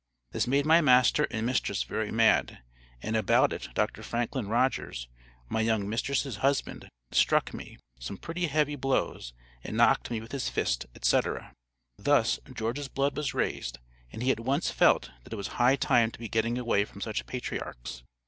This made my master and mistress very mad, and about it Dr. Franklin Rodgers, my young mistress' husband, struck me some pretty heavy blows, and knocked me with his fist, etc." Thus, George's blood was raised, and he at once felt that it was high time to be getting away from such patriarchs.